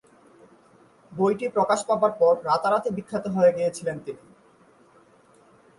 বইটি প্রকাশ পাবার পর রাতারাতি বিখ্যাত হয়ে গিয়েছিলেন তিনি।